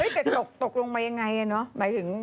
จะตกลงมายังไงเนอะหมายถึง